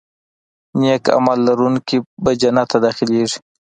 نیک عمل لرونکي به جنت ته داخلېږي.